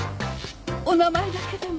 お名前だけでも。